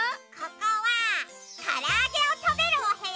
ここはからあげをたべるおへやよ。